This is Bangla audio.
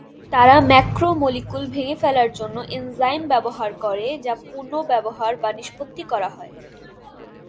তারা ম্যাক্রোমোলিকুল ভেঙে ফেলার জন্য এনজাইম ব্যবহার করে, যা পুনর্ব্যবহার বা নিষ্পত্তি করা হয়।